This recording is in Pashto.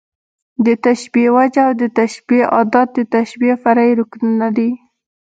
د تشبېه وجه او د تشبېه ادات، د تشبېه فرعي رکنونه دي.